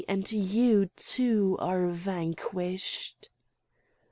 and you too are vanquished!"